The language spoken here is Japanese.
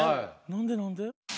何で何で？